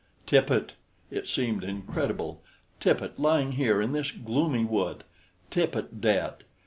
Tippet! It seemed incredible. Tippet lying here in this gloomy wood! Tippet dead!